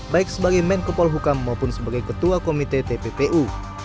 baik sebagai menkopol hukam maupun sebagai ketua komite tppu